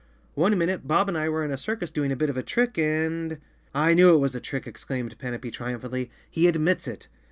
"One minute Bob and I were in a circus doing a bit of a trick and—" " I knew it was a trick," exclaimed Panapee trium¬ phantly. "He admits it!"